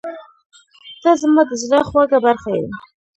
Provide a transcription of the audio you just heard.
• ته زما د زړه خوږه برخه یې.